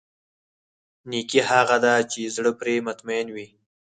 نېکي هغه ده چې زړه پرې مطمئن وي.